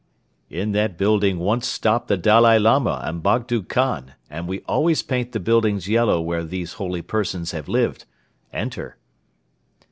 "In that building once stopped the Dalai Lama and Bogdo Khan and we always paint the buildings yellow where these holy persons have lived. Enter!"